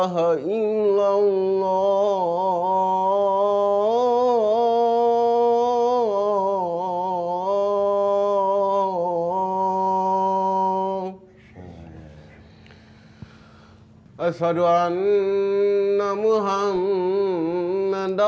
kalau dede nikah nanti